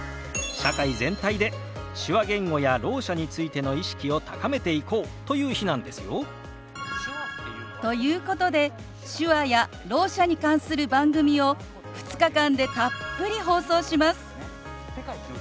社会全体で手話言語やろう者についての意識を高めていこうという日なんですよ。ということで手話やろう者に関する番組を２日間でたっぷり放送します。